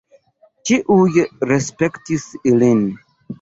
Ĉiuj respektis ilin.